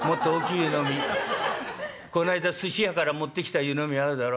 この間すし屋から持ってきた湯飲みあるだろ？